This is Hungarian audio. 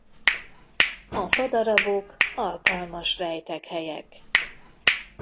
A fadarabok alkalmas rejtekhelyek.